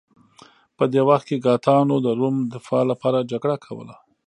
په دې وخت کې ګاټانو د روم دفاع لپاره جګړه کوله